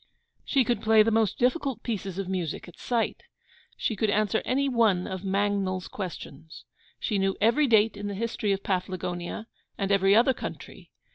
She could play the most difficult pieces of music at sight. She could answer any one of Mangnall's Questions. She knew every date in the history of Paflagonia, and every other country.